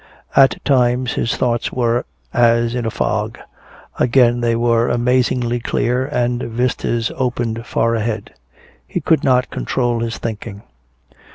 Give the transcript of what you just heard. At times his thoughts were as in a fog, again they were amazingly clear and vistas opened far ahead. He could not control his thinking.